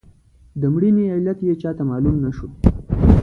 د مړینې علت یې چاته معلوم نه شو.